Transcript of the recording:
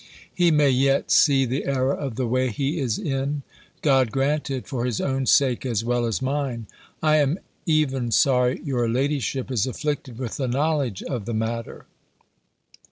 He may yet see the error of the way he is in. God grant it, for his own sake as well as mine. I am even sorry your ladyship is afflicted with the knowledge of the matter.